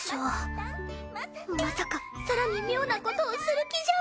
まさかさらに妙な事をする気じゃ。